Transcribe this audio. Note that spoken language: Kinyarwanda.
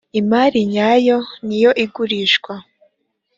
imari nyayo niyo igurishwa.